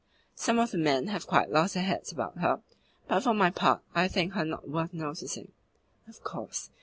"Some of the men have quite lost their heads about her, but for my part I think her not worth noticing." "Of course.